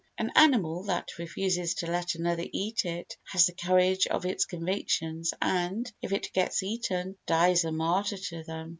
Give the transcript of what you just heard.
An animal that refuses to let another eat it has the courage of its convictions and, if it gets eaten, dies a martyr to them.